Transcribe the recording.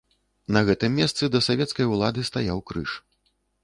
На гэтым месцы да савецкай улады стаяў крыж.